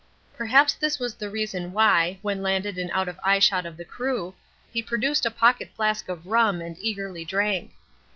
Perhaps this was the reason why, when landed and out of eyeshot of the crew, he produced a pocket flask of rum and eagerly drank.